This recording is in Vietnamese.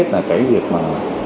là cái việc mà